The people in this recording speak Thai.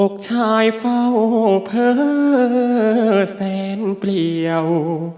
อกชายเฝ้าเพลิงแสนเปรี้ยว